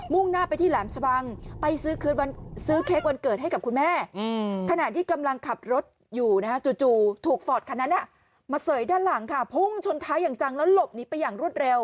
มุ่งหน้าไปที่แหลมสวัง